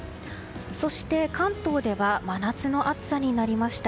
そして関東では真夏の暑さになりました。